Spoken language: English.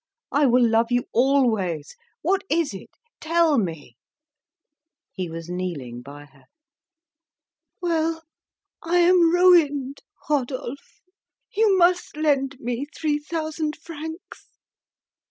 I will love you always. What is it. Tell me!" He was kneeling by her. "Well, I am ruined, Rodolphe! You must lend me three thousand francs."